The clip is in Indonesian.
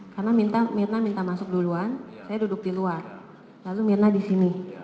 mirna disini karena mirna minta masuk duluan saya duduk di luar lalu mirna disini